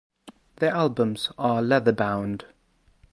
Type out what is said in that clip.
The albums are leather bound.